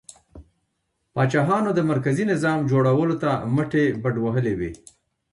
پاچاهانو د مرکزي نظام جوړولو ته مټې بډ وهلې وې.